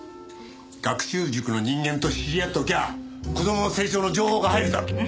学習塾の人間と知り合っときゃ子供の成長の情報が入るだろう。